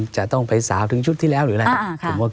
จะต้องไปสาวถึงชุดที่แล้วหรืออะไร